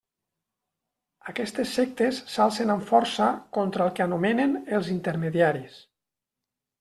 Aquestes sectes s'alcen amb força contra el que anomenen els intermediaris.